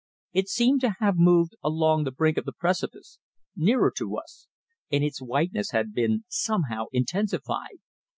It seemed to have moved along the brink of the precipice, nearer to us, and its whiteness had been somehow intensified.